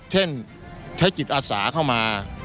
เช่นใช้จิตอาสาเข้ามา